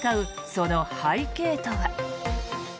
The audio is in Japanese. その背景とは。